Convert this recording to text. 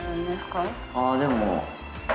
ああでも。